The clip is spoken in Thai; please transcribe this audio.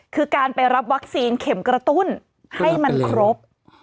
คือการไปรับวัคซีนเข็มกระตุ้นให้มันครบ